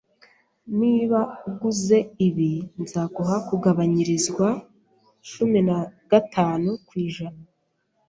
Niba uguze ibi, nzaguha kugabanyirizwa cumi na gatanu kwijana.